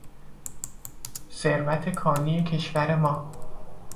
ثروت کانی کشور ما